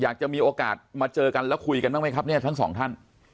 อยากจะมีโอกาสมาเจอกันแล้วคุยกันบ้างไหมครับเนี่ยทั้งสองท่าน